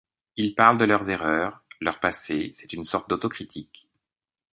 Ils parlent de leurs erreurs, leur passé, c'est une sorte d'auto-critique.